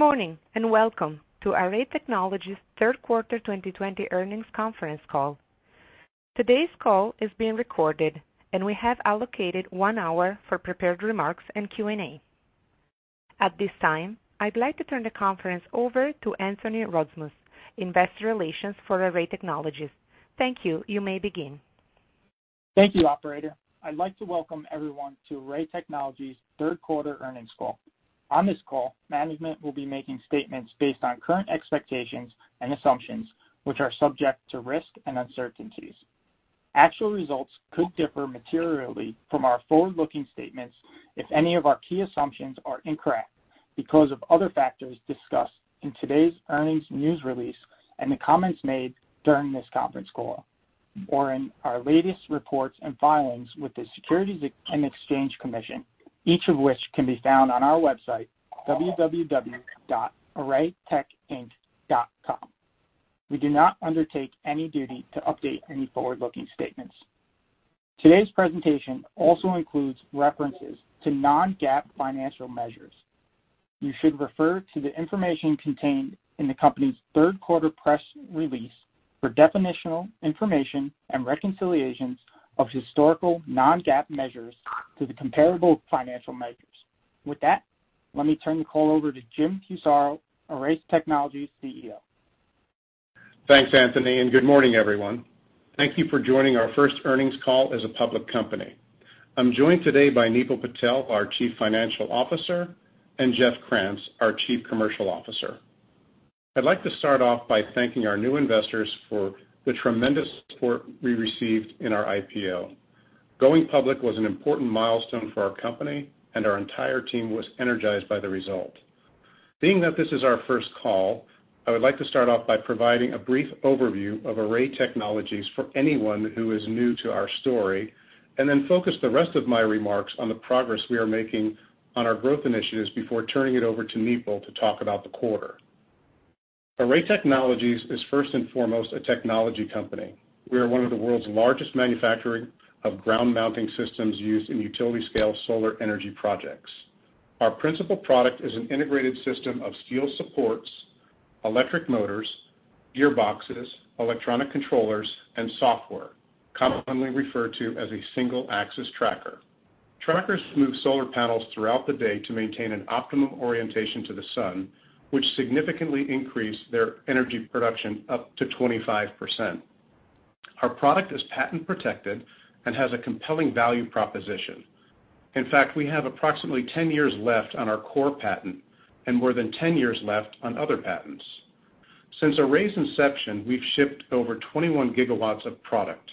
Good morning, welcome to Array Technologies' third quarter 2020 earnings conference call. Today's call is being recorded, and we have allocated one hour for prepared remarks and Q&A. At this time, I'd like to turn the conference over to Anthony Rozmus, investor relations for Array Technologies. Thank you. You may begin. Thank you, operator. I'd like to welcome everyone to Array Technologies' third quarter earnings call. On this call, management will be making statements based on current expectations and assumptions, which are subject to risk and uncertainties. Actual results could differ materially from our forward-looking statements if any of our key assumptions are incorrect because of other factors discussed in today's earnings news release and the comments made during this conference call or in our latest reports and filings with the Securities and Exchange Commission, each of which can be found on our website, arraytechinc.com. We do not undertake any duty to update any forward-looking statements. Today's presentation also includes references to non-GAAP financial measures. You should refer to the information contained in the company's third quarter press release for definitional information and reconciliations of historical non-GAAP measures to the comparable financial measures. With that, let me turn the call over to Jim Fusaro, Array Technologies' Chief Executive Officer. Thanks, Anthony, and good morning everyone? Thank you for joining our first earnings call as a public company. I'm joined today by Nipul Patel, our Chief Financial Officer, and Jeff Krantz, our Chief Commercial Officer. I'd like to start off by thanking our new investors for the tremendous support we received in our IPO. Going public was an important milestone for our company, and our entire team was energized by the result. Being that this is our first call, I would like to start off by providing a brief overview of Array Technologies for anyone who is new to our story, and then focus the rest of my remarks on the progress we are making on our growth initiatives before turning it over to Nipul to talk about the quarter. Array Technologies is first and foremost a technology company. We are one of the world's largest manufacturer of ground mounting systems used in utility-scale solar energy projects. Our principal product is an integrated system of steel supports, electric motors, gearboxes, electronic controllers, and software, commonly referred to as a single-axis tracker. Trackers move solar panels throughout the day to maintain an optimum orientation to the sun, which significantly increase their energy production up to 25%. Our product is patent protected and has a compelling value proposition. In fact, we have approximately 10 years left on our core patent and more than 10 years left on other patents. Since Array's inception, we've shipped over 21 GW of product.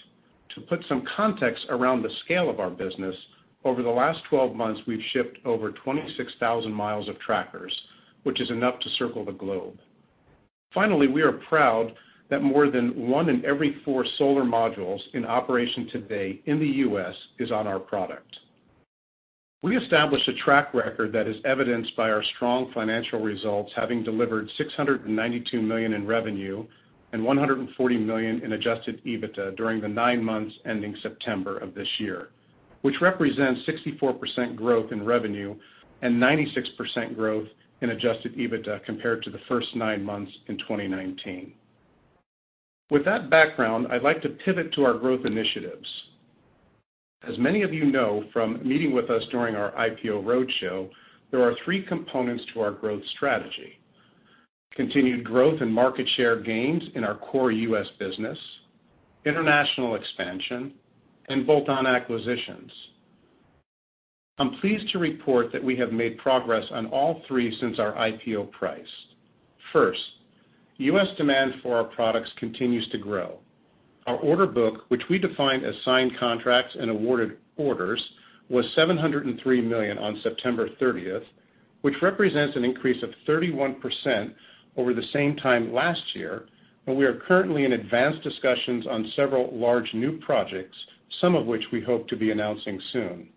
To put some context around the scale of our business, over the last 12 months, we've shipped over 26,000 mi of trackers, which is enough to circle the globe. Finally, we are proud that more than one in every four solar modules in operation today in the U.S. is on our product. We established a track record that is evidenced by our strong financial results, having delivered $692 million in revenue and $140 million in adjusted EBITDA during the nine months ending September of this year, which represents 64% growth in revenue and 96% growth in adjusted EBITDA compared to the first nine months in 2019. With that background, I'd like to pivot to our growth initiatives. As many of you know from meeting with us during our IPO roadshow, there are three components to our growth strategy: continued growth and market share gains in our core U.S. business, international expansion, and bolt-on acquisitions. I'm pleased to report that we have made progress on all three since our IPO price. First, U.S. demand for our products continues to grow. Our order book, which we define as signed contracts and awarded orders, was $703 million on September 30, which represents an increase of 31% over the same time last year. We are currently in advanced discussions on several large new projects, some of which we hope to be announcing soon.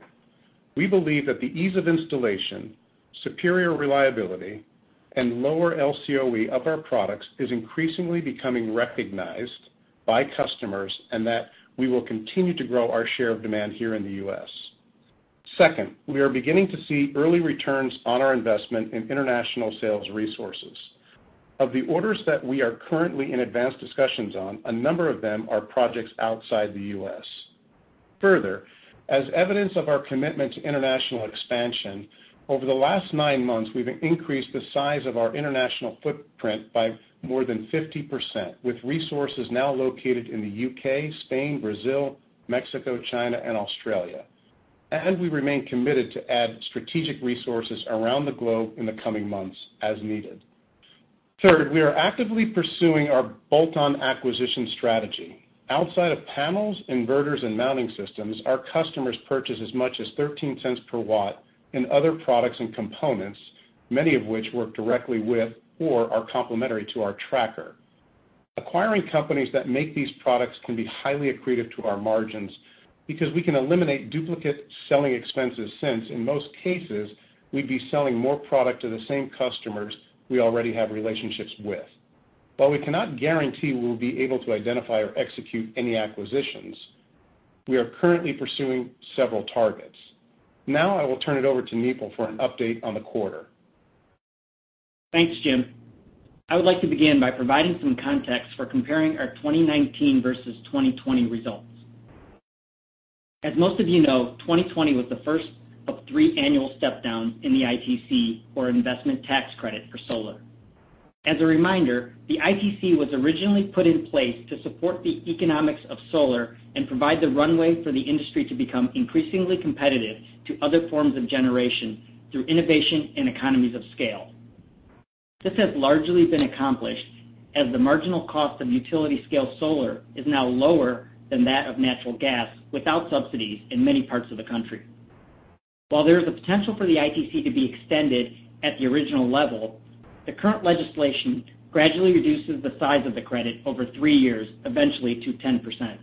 We believe that the ease of installation, superior reliability, and lower LCOE of our products is increasingly becoming recognized by customers, and that we will continue to grow our share of demand here in the U.S. Second, we are beginning to see early returns on our investment in international sales resources. Of the orders that we are currently in advanced discussions on, a number of them are projects outside the U.S. Further, as evidence of our commitment to international expansion, over the last nine months, we've increased the size of our international footprint by more than 50%, with resources now located in the U.K., Spain, Brazil, Mexico, China, and Australia. We remain committed to add strategic resources around the globe in the coming months as needed. Third, we are actively pursuing our bolt-on acquisition strategy. Outside of panels, inverters, and mounting systems, our customers purchase as much as $0.13 per watt in other products and components, many of which work directly with or are complementary to our tracker. Acquiring companies that make these products can be highly accretive to our margins, because we can eliminate duplicate selling expenses since, in most cases, we'd be selling more product to the same customers we already have relationships with. While we cannot guarantee we will be able to identify or execute any acquisitions. We are currently pursuing several targets. I will turn it over to Nipul for an update on the quarter. Thanks, Jim. I would like to begin by providing some context for comparing our 2019 versus 2020 results. Most of you know, 2020 was the first of three annual step-downs in the ITC or Investment Tax Credit for solar. A reminder, the ITC was originally put in place to support the economics of solar and provide the runway for the industry to become increasingly competitive to other forms of generation through innovation and economies of scale. This has largely been accomplished as the marginal cost of utility scale solar is now lower than that of natural gas without subsidies in many parts of the country. There is a potential for the ITC to be extended at the original level, the current legislation gradually reduces the size of the credit over three years, eventually to 10%.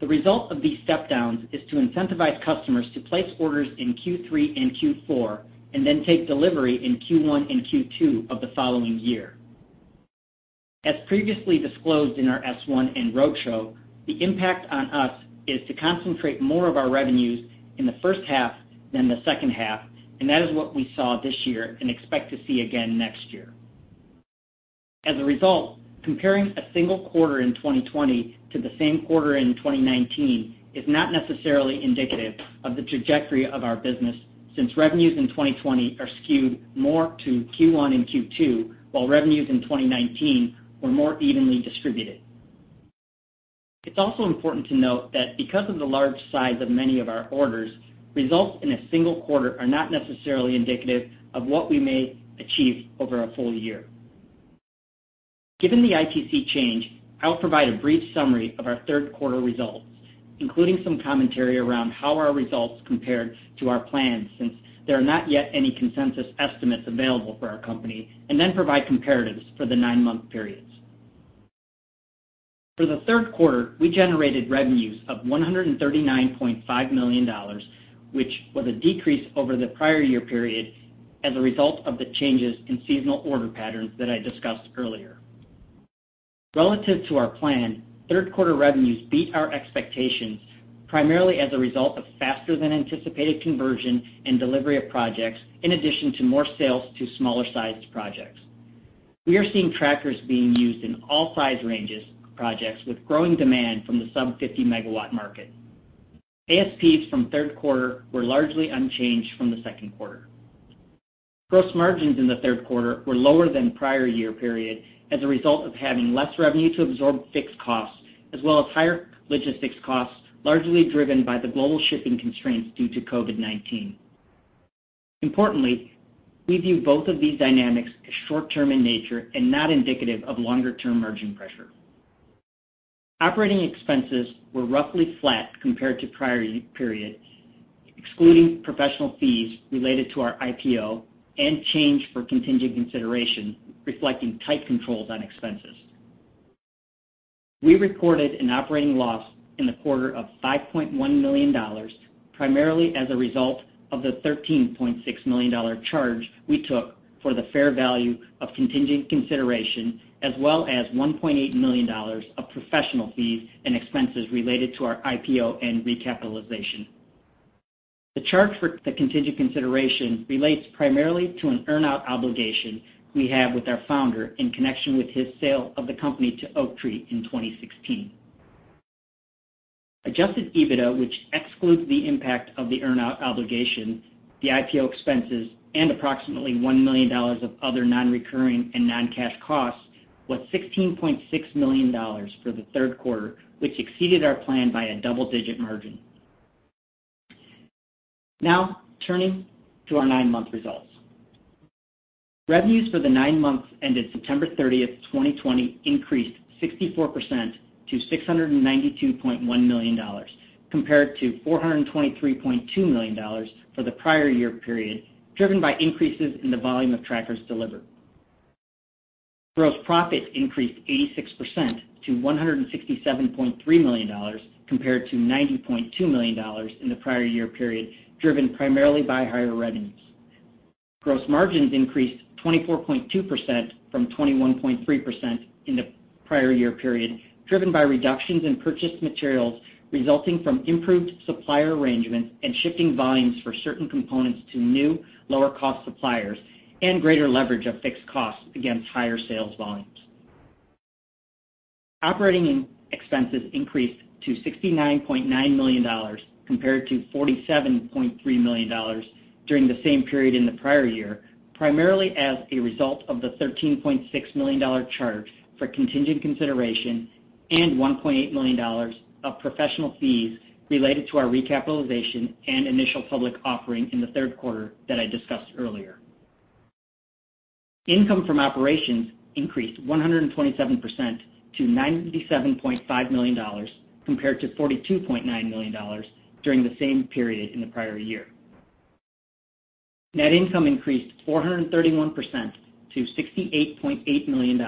The result of these step-downs is to incentivize customers to place orders in Q3 and Q4, and then take delivery in Q1 and Q2 of the following year. As previously disclosed in our S1 and roadshow, the impact on us is to concentrate more of our revenues in the first half than the second half, and that is what we saw this year and expect to see again next year. As a result, comparing a single quarter in 2020 to the same quarter in 2019 is not necessarily indicative of the trajectory of our business since revenues in 2020 are skewed more to Q1 and Q2, while revenues in 2019 were more evenly distributed. It's also important to note that because of the large size of many of our orders, results in a single quarter are not necessarily indicative of what we may achieve over a full year. Given the ITC change, I'll provide a brief summary of our third quarter results, including some commentary around how our results compared to our plans since there are not yet any consensus estimates available for our company, and then provide comparatives for the nine-month periods. For the third quarter, we generated revenues of $139.5 million, which was a decrease over the prior year period as a result of the changes in seasonal order patterns that I discussed earlier. Relative to our plan, third quarter revenues beat our expectations primarily as a result of faster than anticipated conversion and delivery of projects in addition to more sales to smaller sized projects. We are seeing trackers being used in all size ranges of projects with growing demand from the sub 50 megawatt market. ASPs from third quarter were largely unchanged from the second quarter. Gross margins in the third quarter were lower than prior year period as a result of having less revenue to absorb fixed costs as well as higher logistics costs, largely driven by the global shipping constraints due to COVID-19. Importantly, we view both of these dynamics as short term in nature and not indicative of longer term margin pressure. Operating expenses were roughly flat compared to prior year period, excluding professional fees related to our IPO and change for contingent consideration, reflecting tight controls on expenses. We reported an operating loss in the quarter of $5.1 million primarily as a result of the $13.6 million charge we took for the fair value of contingent consideration as well as $1.8 million of professional fees and expenses related to our IPO and recapitalization. The charge for the contingent consideration relates primarily to an earn-out obligation we have with our founder in connection with his sale of the company to Oaktree in 2016. Adjusted EBITDA, which excludes the impact of the earn-out obligation, the IPO expenses, and approximately $1 million of other non-recurring and non-cash costs, was $16.6 million for the third quarter, which exceeded our plan by a double-digit margin. Now turning to our nine-month results. Revenues for the nine months ended September 30th, 2020 increased 64% to $692.1 million compared to $423.2 million for the prior year period, driven by increases in the volume of trackers delivered. Gross profit increased 86% to $167.3 million compared to $90.2 million in the prior year period, driven primarily by higher revenues. Gross margins increased 24.2% from 21.3% in the prior year period, driven by reductions in purchased materials resulting from improved supplier arrangements and shifting volumes for certain components to new lower cost suppliers and greater leverage of fixed costs against higher sales volumes. Operating expenses increased to $69.9 million compared to $47.3 million during the same period in the prior year, primarily as a result of the $13.6 million charge for contingent consideration and $1.8 million of professional fees related to our recapitalization and initial public offering in the third quarter that I discussed earlier. Income from operations increased 127% to $97.5 million compared to $42.9 million during the same period in the prior year. Net income increased 431% to $68.8 million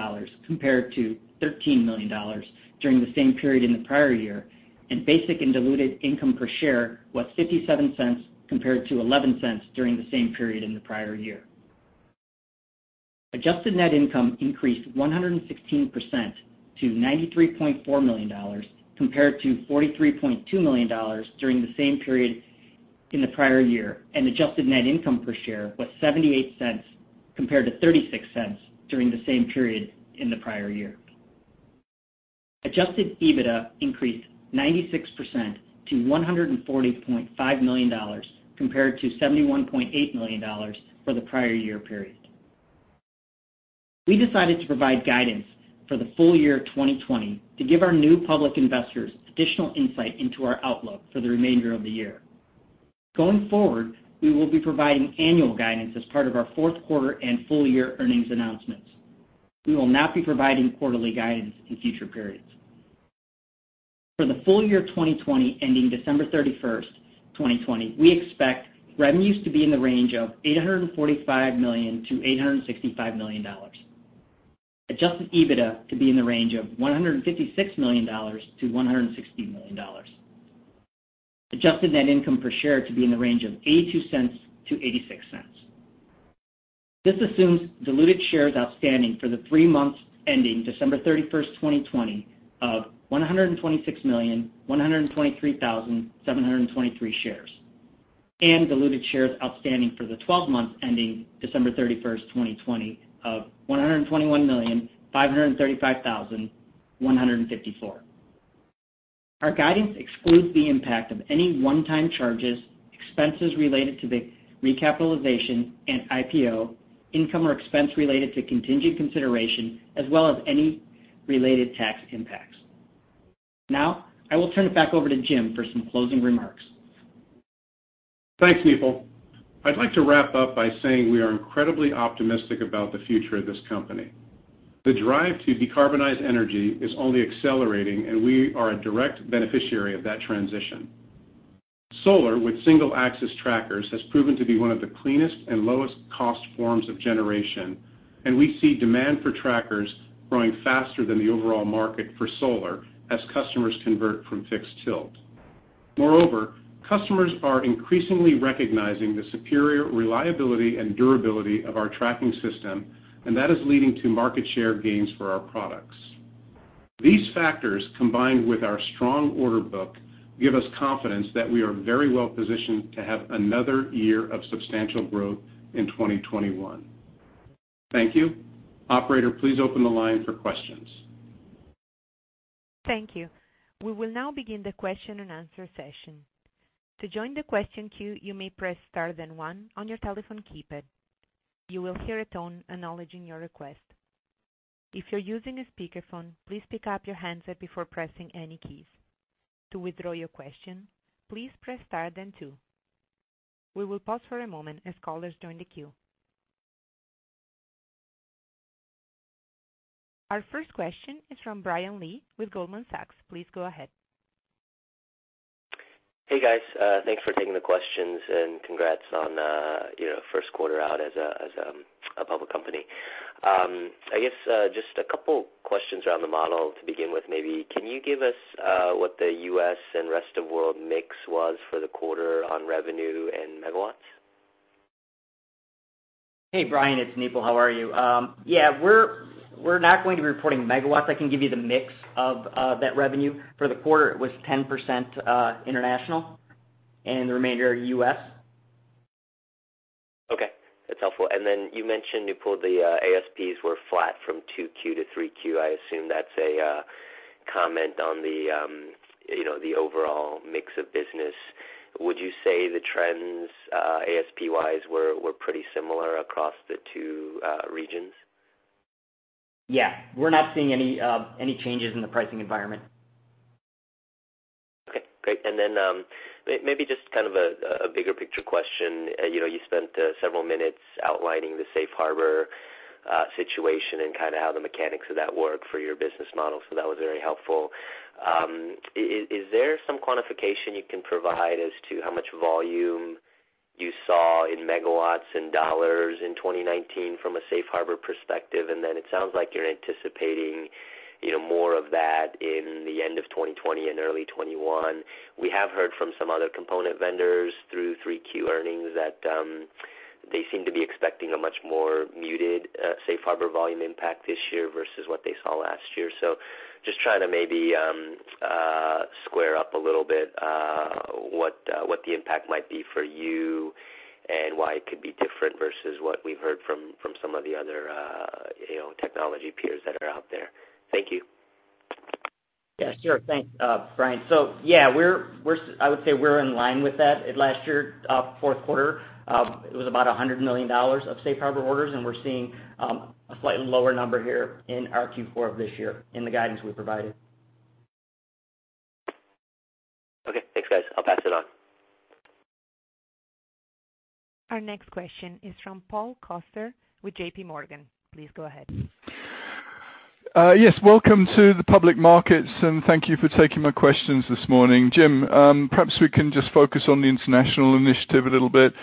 compared to $13 million during the same period in the prior year, and basic and diluted income per share was $0.57 compared to $0.11 during the same period in the prior year. Adjusted net income increased 116% to $93.4 million compared to $43.2 million during the same period in the prior year, and adjusted net income per share was $0.78 compared to $0.36 during the same period in the prior year. Adjusted EBITDA increased 96% to $140.5 million compared to $71.8 million for the prior year period. We decided to provide guidance for the full year 2020 to give our new public investors additional insight into our outlook for the remainder of the year. Going forward, we will be providing annual guidance as part of our fourth quarter and full year earnings announcements. We will not be providing quarterly guidance in future periods. For the full year 2020 ending December 31, 2020, we expect revenues to be in the range of $845 million-$865 million, adjusted EBITDA to be in the range of $156 million-$160 million, adjusted net income per share to be in the range of $0.82-$0.86. This assumes diluted shares outstanding for the three months ending December 31, 2020 of 126,123,723 shares, and diluted shares outstanding for the 12 months ending December 31, 2020 of 121,535,154. Our guidance excludes the impact of any one-time charges, expenses related to the recapitalization and IPO, income or expense related to contingent consideration, as well as any related tax impacts. Now, I will turn it back over to Jim for some closing remarks. Thanks, Nipul. I'd like to wrap up by saying we are incredibly optimistic about the future of this company. The drive to decarbonize energy is only accelerating, and we are a direct beneficiary of that transition. Solar with single-axis trackers has proven to be one of the cleanest and lowest cost forms of generation, and we see demand for trackers growing faster than the overall market for solar as customers convert from fixed tilt. Moreover, customers are increasingly recognizing the superior reliability and durability of our tracking system, and that is leading to market share gains for our products. These factors, combined with our strong order book, give us confidence that we are very well positioned to have another year of substantial growth in 2021. Thank you. Operator, please open the line for questions. Thank you. We will now begin the question-and answer-session. To join the question queue you may press star then one on your telephone keypad. You will hear a confirmation tone to confirm acknowledging your request. If using speaker equipment, please pick up your handset before pressing any keys. To withdraw your question you may press star two. Our first question is from Brian Lee with Goldman Sachs, please go ahead. Hey, guys. Thanks for taking the questions and congrats on first quarter out as a public company. I guess just a couple questions around the model to begin with, maybe. Can you give us what the U.S. and rest of world mix was for the quarter on revenue and megawatts? Hey, Brian, it's Nipul. How are you? Yeah, we're not going to be reporting megawatts. I can give you the mix of that revenue. For the quarter, it was 10% international and the remainder are U.S. Okay, that's helpful. You mentioned, Nipul, the ASPs were flat from 2Q to 3Q. I assume that's a comment on the overall mix of business. Would you say the trends, ASP-wise, were pretty similar across the two regions? Yeah, we're not seeing any changes in the pricing environment. Okay, great. Maybe just kind of a bigger picture question. You spent several minutes outlining the safe harbor situation and kind of how the mechanics of that work for your business model, so that was very helpful. Is there some quantification you can provide as to how much volume you saw in megawatts and dollars in 2019 from a safe harbor perspective? It sounds like you're anticipating more of that in the end of 2020 and early 2021. We have heard from some other component vendors through 3Q earnings that they seem to be expecting a much more muted safe harbor volume impact this year versus what they saw last year. Just trying to maybe square up a little bit what the impact might be for you and why it could be different versus what we've heard from some of the other technology peers that are out there. Thank you. Yeah, sure. Thanks, Brian. Yeah, I would say we're in line with that. Last year, fourth quarter, it was about $100 million of safe harbor orders, and we're seeing a slightly lower number here in our Q4 of this year in the guidance we provided. Okay, thanks, guys. I'll pass it on. Our next question is from Paul Coster with JPMorgan, please go ahead. Welcome to the public markets. Thank you for taking my questions this morning. Jim, perhaps we can just focus on the international initiative a little bit.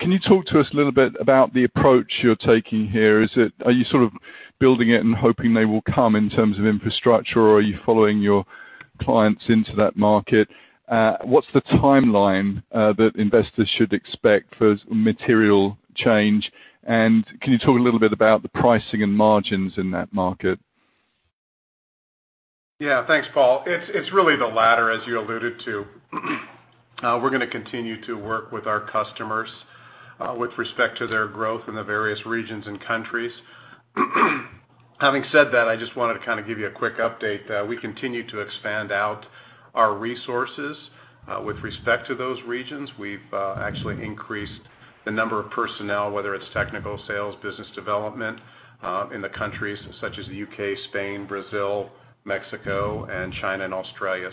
Can you talk to us a little bit about the approach you're taking here? Are you sort of building it and hoping they will come in terms of infrastructure, or are you following your clients into that market? What's the timeline that investors should expect for material change? Can you talk a little bit about the pricing and margins in that market? Yeah. Thanks, Paul. It's really the latter, as you alluded to. We're going to continue to work with our customers with respect to their growth in the various regions and countries. Having said that, I just wanted to give you a quick update. We continue to expand out our resources with respect to those regions. We've actually increased the number of personnel, whether it's technical sales, business development, in the countries such as the U.K., Spain, Brazil, Mexico, and China, and Australia.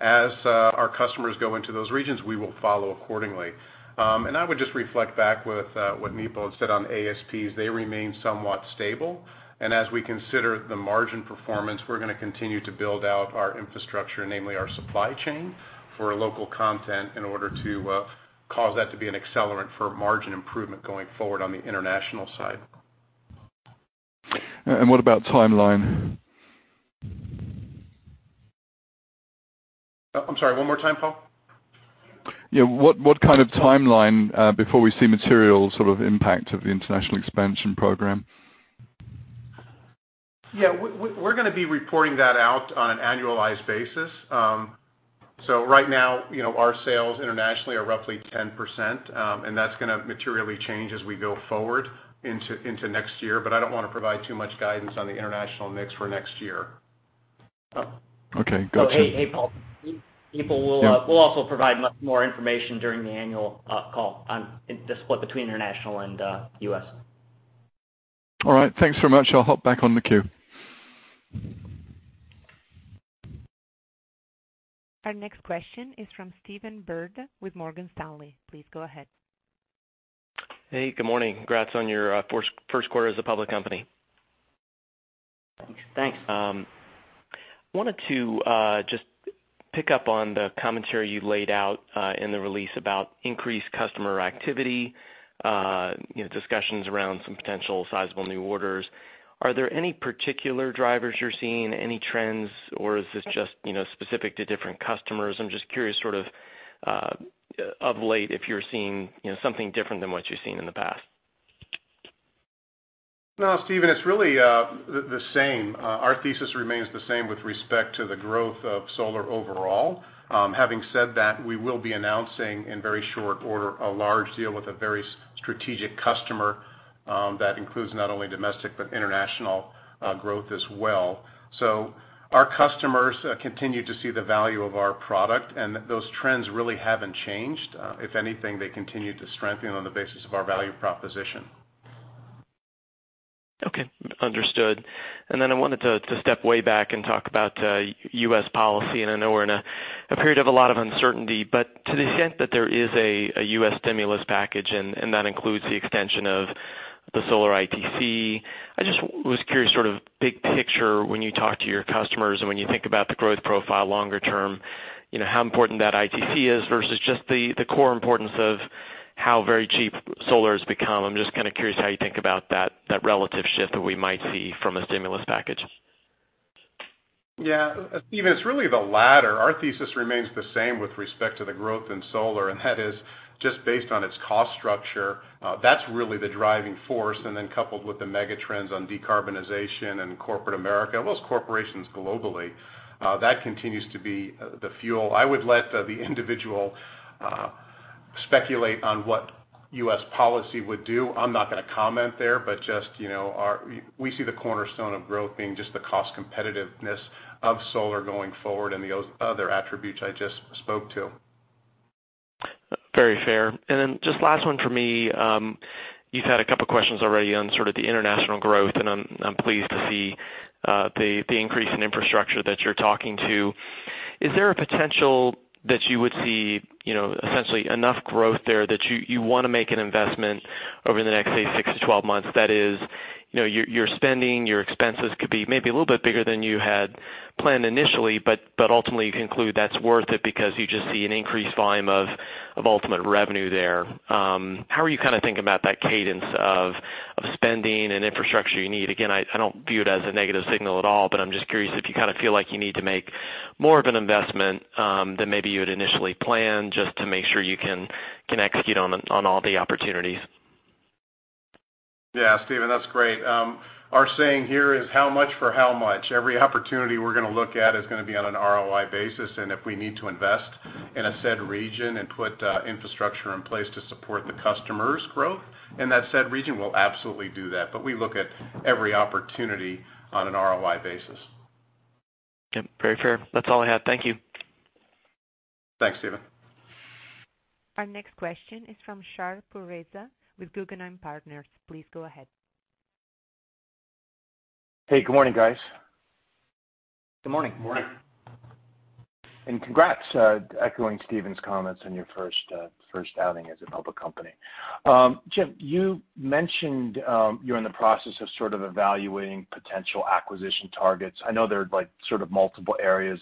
As our customers go into those regions, we will follow accordingly. I would just reflect back with what Nipul said on ASPs. They remain somewhat stable, and as we consider the margin performance, we're going to continue to build out our infrastructure, namely our supply chain, for local content in order to cause that to be an accelerant for margin improvement going forward on the international side. What about timeline? I'm sorry, one more time, Paul? What kind of timeline before we see material impact of the international expansion program? Yeah. We're going to be reporting that out on an annualized basis. Right now, our sales internationally are roughly 10%, and that's going to materially change as we go forward into next year. I don't want to provide too much guidance on the international mix for next year. Okay. Gotcha. Hey, Paul, will also provide much more information during the annual call on the split between international and U.S. All right. Thanks very much. I'll hop back on the queue. Our next question is from Stephen Byrd with Morgan Stanley, please go ahead. Hey, good morning? Congrats on your first quarter as a public company. Thanks. Wanted to just pick up on the commentary you laid out in the release about increased customer activity, discussions around some potential sizable new orders. Are there any particular drivers you're seeing, any trends, or is this just specific to different customers? I'm just curious of late if you're seeing something different than what you've seen in the past. No, Stephen, it's really the same. Our thesis remains the same with respect to the growth of solar overall. Having said that, we will be announcing, in very short order, a large deal with a very strategic customer that includes not only domestic but international growth as well. Our customers continue to see the value of our product, and those trends really haven't changed. If anything, they continue to strengthen on the basis of our value proposition. Okay. Understood. I wanted to step way back and talk about U.S. policy, and I know we're in a period of a lot of uncertainty. To the extent that there is a U.S. stimulus package, and that includes the extension of the solar ITC, I just was curious, big picture, when you talk to your customers and when you think about the growth profile longer term, how important that ITC is versus just the core importance of how very cheap solar has become. I'm just curious how you think about that relative shift that we might see from a stimulus package. Stephen, it's really the latter. Our thesis remains the same with respect to the growth in solar, that is just based on its cost structure. That's really the driving force, coupled with the mega trends on decarbonization and corporate America, most corporations globally, that continues to be the fuel. I would let the individual speculate on what U.S. policy would do. I'm not going to comment there, just we see the cornerstone of growth being just the cost competitiveness of solar going forward and the other attributes I just spoke to. Very fair. Just last one for me. You've had a couple of questions already on the international growth, and I'm pleased to see the increase in infrastructure that you're talking to. Is there a potential that you would see essentially enough growth there that you want to make an investment over the next, say, 6 months-12 months? That is, your spending, your expenses could be maybe a little bit bigger than you had planned initially, but ultimately you conclude that's worth it because you just see an increased volume of ultimate revenue there. How are you thinking about that cadence of spending and infrastructure you need? I don't view it as a negative signal at all, but I'm just curious if you feel like you need to make more of an investment than maybe you had initially planned just to make sure you can execute on all the opportunities. Yeah, Stephen, that's great. Our saying here is how much for how much? Every opportunity we're going to look at is going to be on an ROI basis. If we need to invest in a said region and put infrastructure in place to support the customer's growth in that said region, we'll absolutely do that. We look at every opportunity on an ROI basis. Okay. Very fair. That's all I have. Thank you. Thanks, Stephen. Our next question is from Shar Pourreza with Guggenheim Partners. Please go ahead. Hey, good morning guys? Good morning. Morning. Congrats, echoing Stephen's comments on your first outing as a public company. Jim, you mentioned you're in the process of evaluating potential acquisition targets. I know there are multiple areas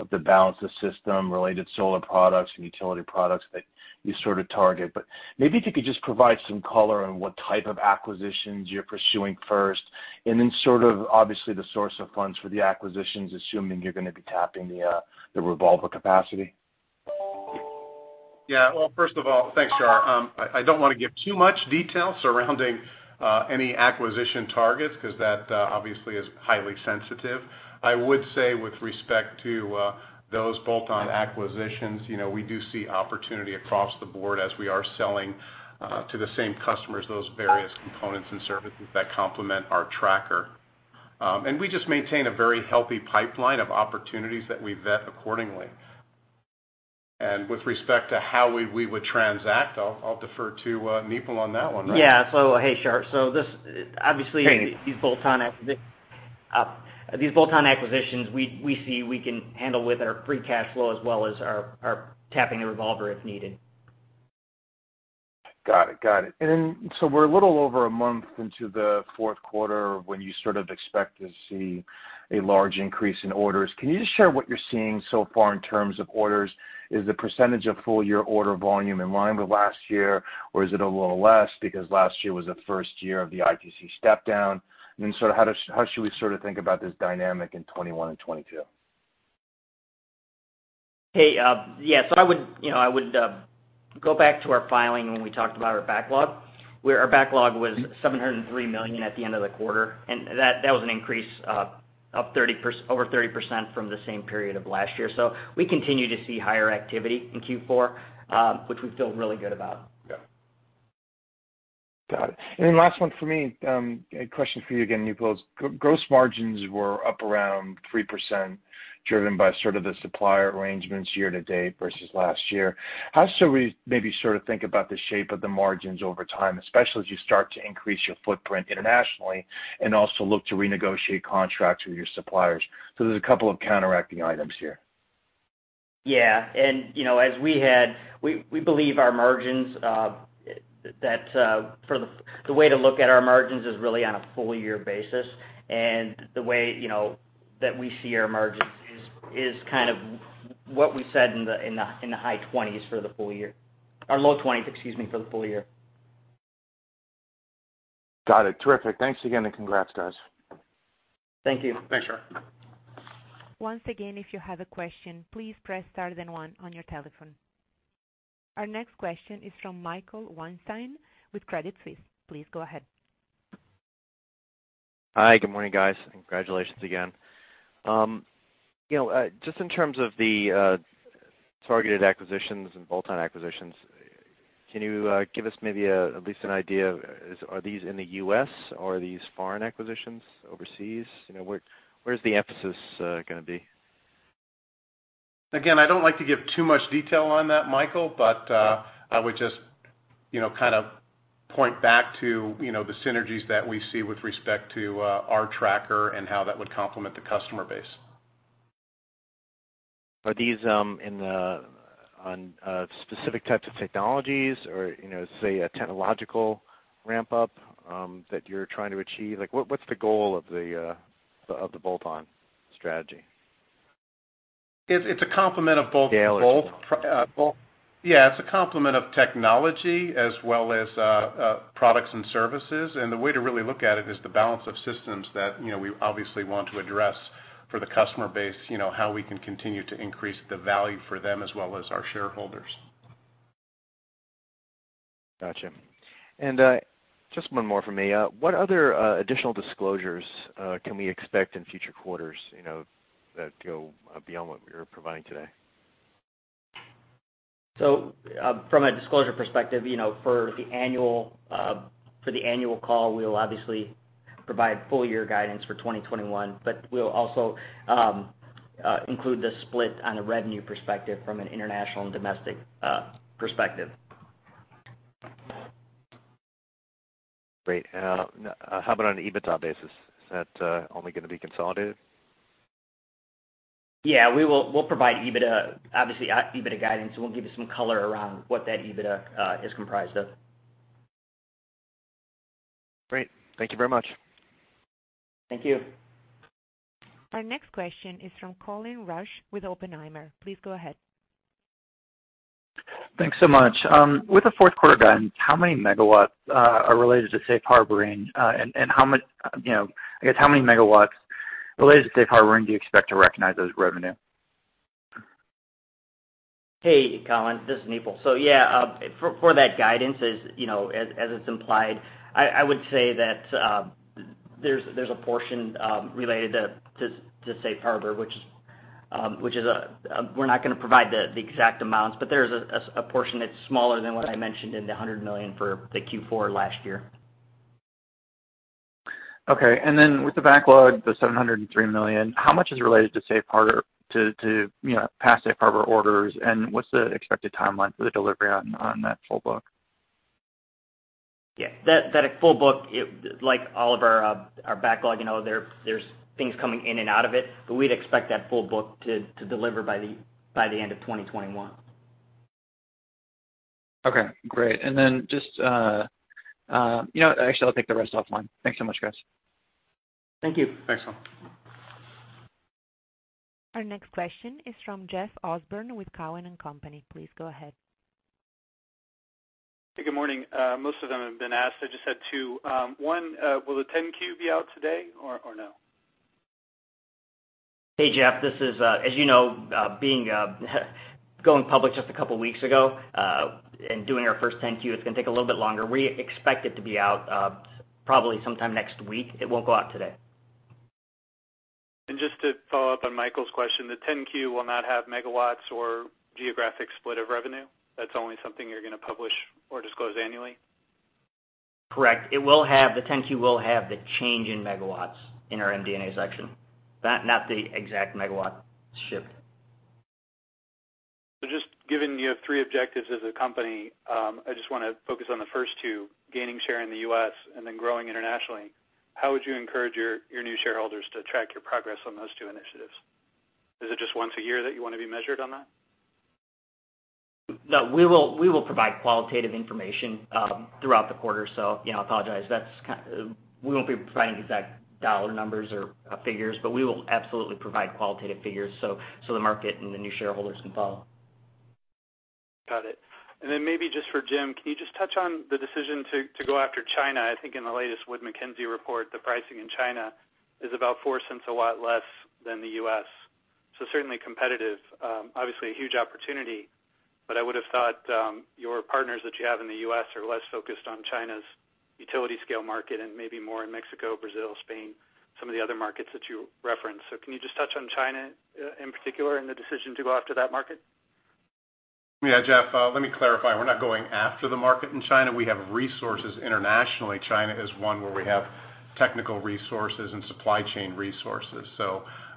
of the balance of systems-related solar products and utility products that you target, maybe if you could just provide some color on what type of acquisitions you're pursuing first, and then obviously the source of funds for the acquisitions, assuming you're going to be tapping the revolver capacity. First of all, thanks, Shar. I don't want to give too much detail surrounding any acquisition targets because that obviously is highly sensitive. I would say with respect to those bolt-on acquisitions, we do see opportunity across the board as we are selling to the same customers, those various components and services that complement our tracker. We just maintain a very healthy pipeline of opportunities that we vet accordingly. With respect to how we would transact, I'll defer to Nipul on that one, right? Yeah. hey, Shar. Hey. These bolt-on acquisitions, we see we can handle with our free cash flow as well as our tapping the revolver if needed. Got it. We're a little over a month into the fourth quarter of when you sort of expect to see a large increase in orders. Can you just share what you're seeing so far in terms of orders? Is the percentage of full-year order volume in line with last year, or is it a little less because last year was the first year of the ITC step down? How should we sort of think about this dynamic in 2021 and 2022? Hey, yeah. I would go back to our filing when we talked about our backlog, where our backlog was $703 million at the end of the quarter, and that was an increase of over 30% from the same period of last year. We continue to see higher activity in Q4, which we feel really good about. Got it. Last one for me. A question for you again, Nipul. Gross margins were up around 3%, driven by sort of the supplier arrangements year to date versus last year. How should we maybe sort of think about the shape of the margins over time, especially as you start to increase your footprint internationally and also look to renegotiate contracts with your suppliers? There's a couple of counteracting items here. Yeah. We believe our margins, that the way to look at our margins is really on a full year basis. The way that we see our margins is kind of what we said in the high 20s% for the full year, or low 20s%, excuse me, for the full year. Got it. Terrific. Thanks again. Congrats, guys. Thank you. Thanks, Shar. Once again, if you have a question, please press star then one on your telephone. Our next question is from Michael Weinstein with Credit Suisse, please go ahead. Hi. Good morning, guys? Congratulations again. Just in terms of the targeted acquisitions and bolt-on acquisitions, can you give us maybe at least an idea, are these in the U.S., or are these foreign acquisitions overseas? Where's the emphasis going to be? I don't like to give too much detail on that, Michael, but I would just kind of point back to the synergies that we see with respect to our tracker and how that would complement the customer base. Are these on specific types of technologies or, say, a technological ramp-up that you're trying to achieve? What's the goal of the bolt-on strategy? It's a complement of both. Scale or- Yeah, it's a complement of technology as well as products and services, and the way to really look at it is the balance of systems that we obviously want to address for the customer base, how we can continue to increase the value for them as well as our shareholders. Got you. Just one more from me. What other additional disclosures can we expect in future quarters that go beyond what you're providing today? From a disclosure perspective, for the annual call, we'll obviously provide full year guidance for 2021, but we'll also include the split on a revenue perspective from an international and domestic perspective. Great. How about on an EBITDA basis? Is that only going to be consolidated? Yeah. We'll provide, obviously, EBITDA guidance, and we'll give you some color around what that EBITDA is comprised of. Great. Thank you very much. Thank you. Our next question is from Colin Rusch with Oppenheimer, please go ahead. Thanks so much. With the fourth quarter guidance, how many megawatts are related to safe harboring? I guess how many megawatts related to safe harboring do you expect to recognize as revenue? Hey, Colin, this is Nipul. Yeah, for that guidance, as it's implied, I would say that there's a portion related to safe harbor. We're not going to provide the exact amounts, but there is a portion that's smaller than what I mentioned in the $100 million for the Q4 last year. Okay. With the backlog, the $703 million, how much is related to past safe harbor orders, and what's the expected timeline for the delivery on that full book? Yeah. That full book, like all of our backlog, there's things coming in and out of it, but we'd expect that full book to deliver by the end of 2021. Okay, great. Just, actually, I'll take the rest offline. Thanks so much, guys. Thank you. Thanks, Colin. Our next question is from Jeff Osborne with Cowen and Company, please go ahead. Good morning? Most of them have been asked. I just had two. One, will the 10-Q be out today or no? Hey, Jeff, as you know, going public just a couple of weeks ago, and doing our first 10-Q, it's going to take a little bit longer. We expect it to be out probably sometime next week. It won't go out today. Just to follow up on Michael's question, the 10-Q will not have megawatts or geographic split of revenue. That's only something you're going to publish or disclose annually? Correct. The 10-Q will have the change in megawatts in our MD&A section. Not the exact megawatts shipped. Just given you have three objectives as a company, I just want to focus on the first two, gaining share in the U.S. and then growing internationally. How would you encourage your new shareholders to track your progress on those two initiatives? Is it just once a year that you want to be measured on that? No, we will provide qualitative information throughout the quarter. I apologize, we won't be providing exact dollar numbers or figures, but we will absolutely provide qualitative figures so the market and the new shareholders can follow. Got it. Maybe just for Jim, can you just touch on the decision to go after China? I think in the latest Wood Mackenzie report, the pricing in China is about $0.04 a lot less than the U.S. Certainly competitive. Obviously a huge opportunity, I would have thought your partners that you have in the U.S. are less focused on China's utility scale market and maybe more in Mexico, Brazil, Spain, some of the other markets that you referenced. Can you just touch on China in particular and the decision to go after that market? Yeah, Jeff, let me clarify. We're not going after the market in China. We have resources internationally. China is one where we have technical resources and supply chain resources.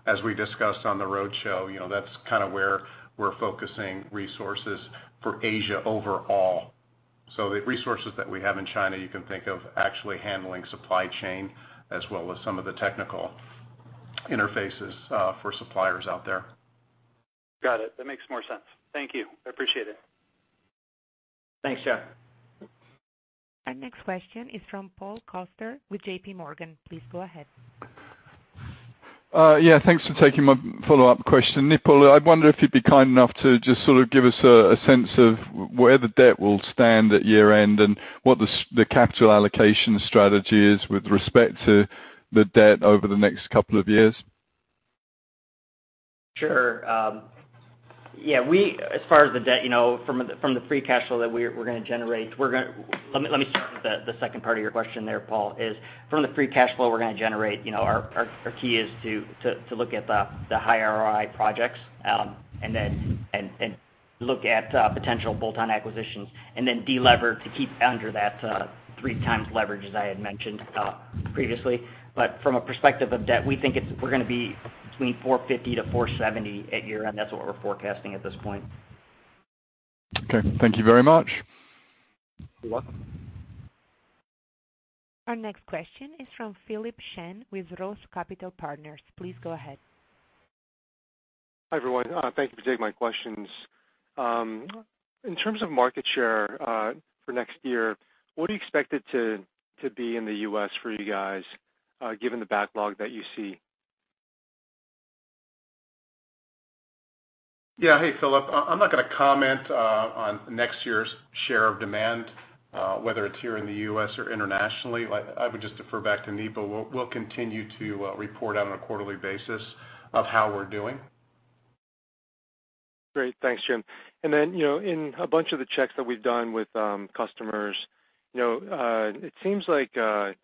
As we discussed on the roadshow, that's where we're focusing resources for Asia overall. The resources that we have in China, you can think of actually handling supply chain as well as some of the technical interfaces for suppliers out there. Got it. That makes more sense. Thank you. I appreciate it. Thanks, Jeff. Our next question is from Paul Coster with JPMorgan. Please go ahead. Yeah, thanks for taking my follow-up question. Nipul, I wonder if you'd be kind enough to just sort of give us a sense of where the debt will stand at year-end and what the capital allocation strategy is with respect to the debt over the next couple of years? Sure. Let me start with the second part of your question there, Paul, is from the free cash flow we're going to generate, our key is to look at the high ROI projects, and then look at potential bolt-on acquisitions and then de-lever to keep under that three times leverage, as I had mentioned previously. From a perspective of debt, we think we're going to be between $450-$470 at year-end. That's what we're forecasting at this point. Okay. Thank you very much. You're welcome. Our next question is from Philip Shen with ROTH Capital Partners. Please go ahead. Hi, everyone. Thank you for taking my questions. In terms of market share for next year, what do you expect it to be in the U.S. for you guys given the backlog that you see? Hey, Philip. I'm not going to comment on next year's share of demand, whether it's here in the U.S. or internationally. I would just defer back to Nipul. We'll continue to report on a quarterly basis of how we're doing. Great. Thanks, Jim. In a bunch of the checks that we've done with customers, it seems like the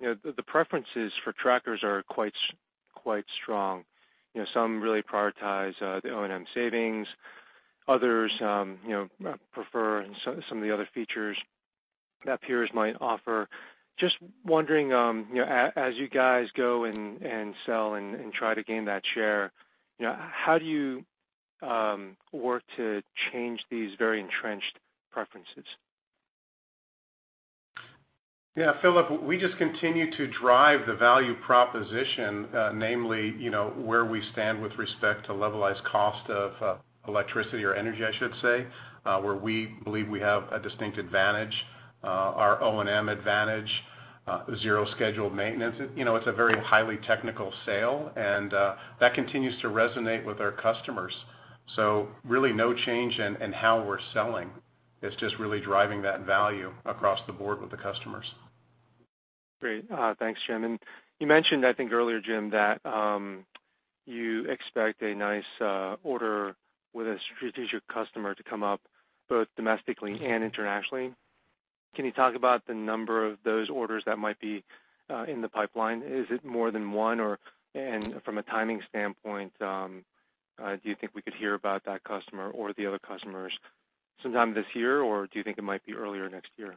preferences for trackers are quite strong. Some really prioritize the O&M savings. Others prefer some of the other features that peers might offer. Just wondering as you guys go and sell and try to gain that share, how do you work to change these very entrenched preferences? Yeah, Philip, we just continue to drive the value proposition, namely where we stand with respect to levelized cost of electricity or energy, I should say, where we believe we have a distinct advantage, our O&M advantage zero-scheduled maintenance. It's a very highly technical sale, and that continues to resonate with our customers. Really no change in how we're selling. It's just really driving that value across the board with the customers. Great. Thanks, Jim. You mentioned, I think earlier, Jim, that you expect a nice order with a strategic customer to come up both domestically and internationally. Can you talk about the number of those orders that might be in the pipeline? Is it more than one? From a timing standpoint do you think we could hear about that customer or the other customers sometime this year, or do you think it might be earlier next year?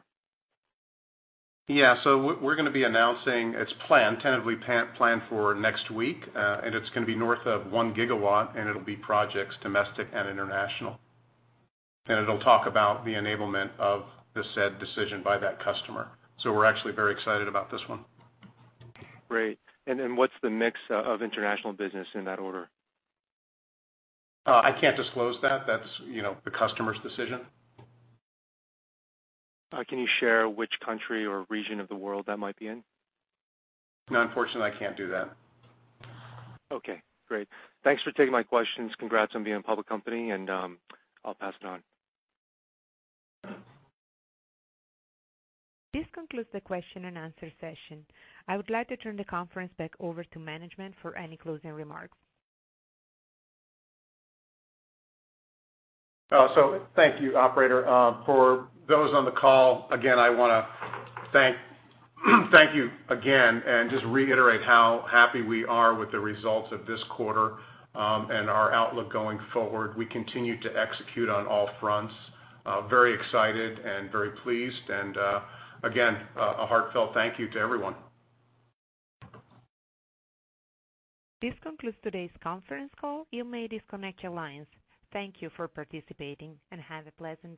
Yeah. We're going to be announcing its plan, tentatively planned for next week. It's going to be north of 1 GW, and it'll be projects domestic and international. It'll talk about the enablement of the said decision by that customer. We're actually very excited about this one. Great. What's the mix of international business in that order? I can't disclose that. That's the customer's decision. Can you share which country or region of the world that might be in? No, unfortunately, I can't do that. Okay, great. Thanks for taking my questions. Congrats on being a public company. I'll pass it on. This concludes the question-and-answer session. I would like to turn the conference back over to management for any closing remarks. Thank you, operator. For those on the call, again, I want to thank you again and just reiterate how happy we are with the results of this quarter and our outlook going forward. We continue to execute on all fronts. Very excited and very pleased. Again, a heartfelt thank you to everyone. This concludes today's conference call, you may disconnect your lines. Thank you for participating, and have a pleasant day.